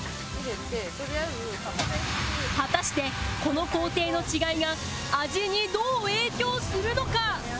果たしてこの工程の違いが味にどう影響するのか？